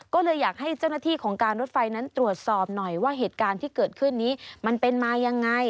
ก็เลยอยากให้เจ้าหน้าที่ของการรถไฟนั้นตรวจสอบหน่อยว่าเหตุการณ์ที่เกิดขึ้นนี้มันเป็นมายังไง